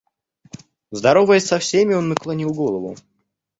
Здороваясь со всеми, он наклонил голову.